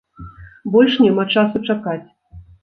Больш няма часу чакаць.